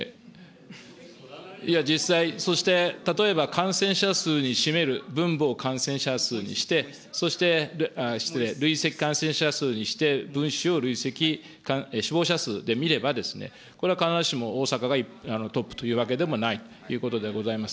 いや、実際、そして、例えば感染者数に占める分母を感染者数にして、そして失礼、累積感染者数にして、分子を累積死亡者数で見れば、これは必ずしも大阪がトップというわけでもないということでございます。